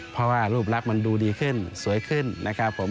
เพราะว่ารูปลักษณ์มันดูดีขึ้นสวยขึ้นนะครับผม